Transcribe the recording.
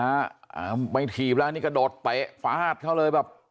อ่านี่ฮะเอ้าไม่ถีบแล้วนี่กระโดดเป๊ะฝาดเข้าเลยแบบ